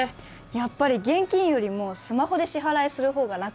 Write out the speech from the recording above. やっぱり現金よりもスマホで支払いする方が楽ですからね。